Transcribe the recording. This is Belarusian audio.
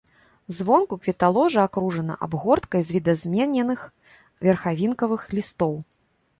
Звонку кветаложа акружана абгорткай з відазмененых верхавінкавых лістоў.